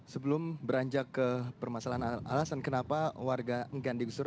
sebelum beranjak ke permasalahan alasan kenapa warga enggan digusur